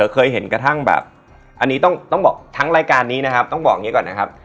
เคยเห็นกระทั่งทั้งลายการนี้นะครับต้องบอกอย่างนี้ก่อนนะครับ